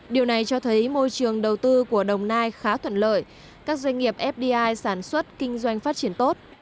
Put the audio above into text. điều này cho thấy môi trường đầu tư của đồng nai khá thuận lợi các doanh nghiệp fdi sản xuất kinh doanh phát triển tốt